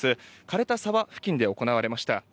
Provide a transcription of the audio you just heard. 枯れた沢付近で行われました。